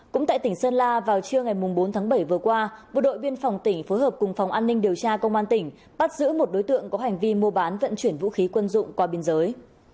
cũng tại tỉnh sơn la vào trưa ngày bốn tháng bảy vừa qua bộ đội biên phòng tỉnh phối hợp cùng phòng an ninh điều tra công an tỉnh bắt giữ một đối tượng có hành vi mua bán vận chuyển vũ khí quân dụng qua biên giới